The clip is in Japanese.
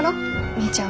みーちゃん